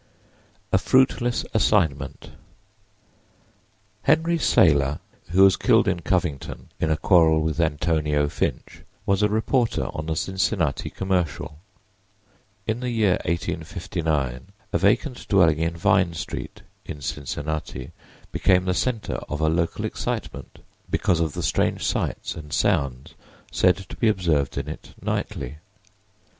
A FRUITLESS ASSIGNMENT HENRY SAYLOR, who was killed in Covington, in a quarrel with Antonio Finch, was a reporter on the Cincinnati Commercial. In the year 1859 a vacant dwelling in Vine street, in Cincinnati, became the center of a local excitement because of the strange sights and sounds said to be observed in it nightly.